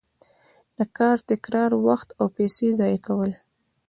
د کار تکرار وخت او پیسې ضایع کوي.